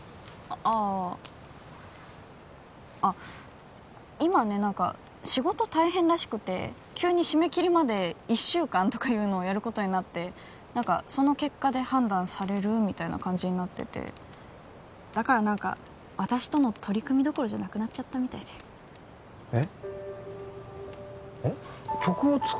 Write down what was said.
ああっ今ね何か仕事大変らしくて急に締め切りまで１週間とかいうのをやることになって何かその結果で判断されるみたいな感じになっててだから何か私との取り組みどころじゃなくなっちゃったみたいでえっ？